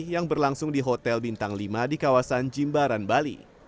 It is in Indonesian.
yang berlangsung di hotel bintang lima di kawasan jimbaran bali